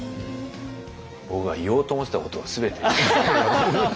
僕が言おうと思ってたことを全て。